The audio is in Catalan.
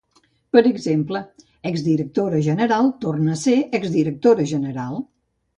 Per exemple, exdirectora general torna a ser ex-directora general.